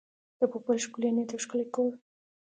د پوپل ښکلی نیت او ښکلی کور.